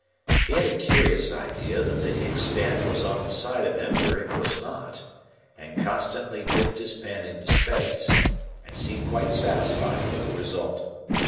He had a curious idea that the inkstand was on the side of him where it was not, and constantly dipped his pen into space, and seemed quite satisfied with the result.